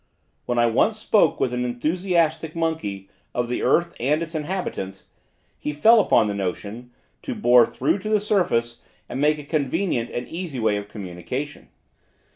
When I once spoke with an enthusiastic monkey, of the earth and its inhabitants, he fell upon the notion, to bore through to the surface, and make a convenient and easy way of communication.